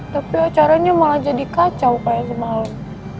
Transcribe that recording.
tapi acaranya malah jadi kacau kayak semalam